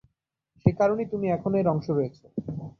সেকারণেই তুমি এখনো এর অংশ রয়েছো।